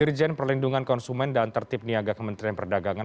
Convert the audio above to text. dirjen perlindungan konsumen dan tertip niaga kementerian perdagangan